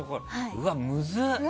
うわ、むずっ！